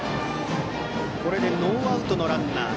ノーアウトのランナー